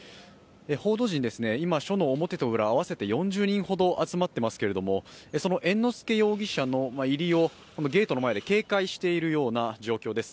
報道陣、今、署の表と裏、４０人ほど集まっていますが、その猿之助容疑者の入りをゲートの前で警戒しているような状況です。